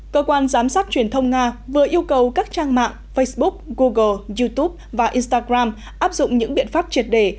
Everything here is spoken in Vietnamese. cơ quan giám sát truyền thông nga vừa yêu cầu các trang mạng facebook google youtube và instagram áp dụng những biện pháp triệt đề